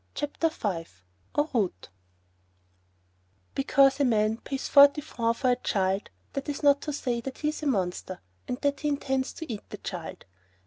CHAPTER V EN ROUTE Because a man pays forty francs for a child that is not to say that he is a monster, and that he intends to eat the child.